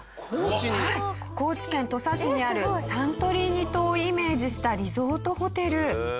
高知県土佐市にあるサントリーニ島をイメージしたリゾートホテル。